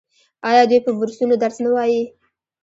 آیا دوی په بورسونو درس نه وايي؟